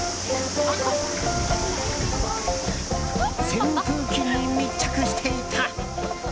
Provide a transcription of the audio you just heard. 扇風機に密着していた。